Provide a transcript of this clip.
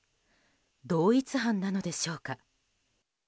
同一犯なのでしょうか。